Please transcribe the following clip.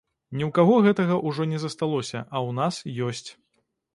Ні ў каго гэтага ўжо не засталося, а ў нас ёсць.